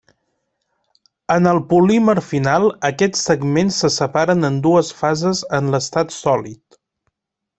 En el polímer final aquests segments se separen en dues fases en l'estat sòlid.